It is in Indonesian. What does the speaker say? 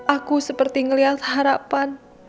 aku seperti ngeliat harapan